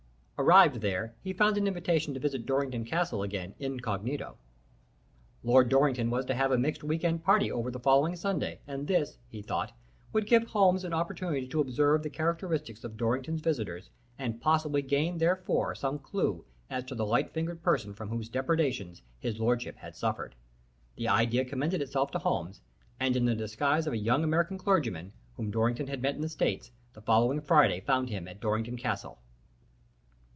Arrived there, he found an invitation to visit Dorrington Castle again incog. Lord Dorrington was to have a mixed week end party over the following Sunday, and this, he thought, would give Holmes an opportunity to observe the characteristics of Dorrington's visitors and possibly gain therefore some clew as to the light fingered person from whose depredations his lordship had suffered. The idea commended itself to Holmes, and in the disguise of a young American clergyman, whom Dorrington had met in the States, the following Friday found him at Dorrington Castle.